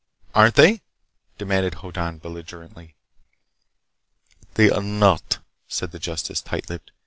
"Aren't they?" demanded Hoddan belligerently. "They are not," said the justice, tight lipped.